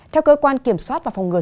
theo cơ quan kiểm soát và phòng ngừa